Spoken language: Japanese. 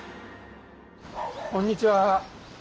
こんにちは。